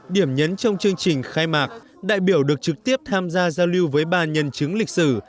điểm nhấn trong chương trình khai mạc đại biểu được trực tiếp tham gia giao lưu với ba nhân chứng lịch sử